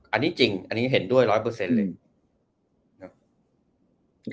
อันนี้จริงอันนี้เห็นด้วยร้อยเปอร์เซ็นต์เลย